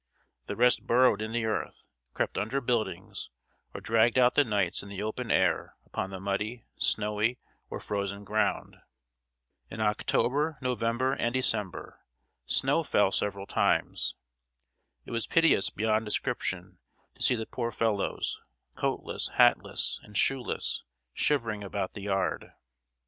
The rest burrowed in the earth, crept under buildings, or dragged out the nights in the open air upon the muddy, snowy, or frozen ground. In October, November, and December, snow fell several times. It was piteous beyond description to see the poor fellows, coatless, hatless, and shoeless, shivering about the yard.